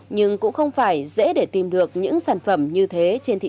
nhưng cũng không phải dễ để tìm được những sản phẩm như thế